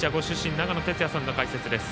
長野哲也さんの解説です。